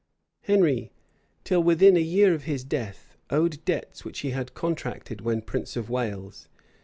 Henry, till within a year of his death, owed debts which he had contracted when prince of Wales.